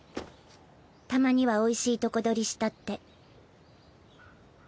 たまにはおいしいとこ取りしたって。